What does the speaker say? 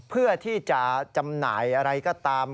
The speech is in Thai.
เพื่อที่จะจำหน่ายอะไรก็ตาม